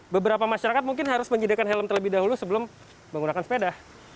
beberapa masyarakat mungkin harus menyediakan helm terlebih dahulu sebelum menggunakan sepeda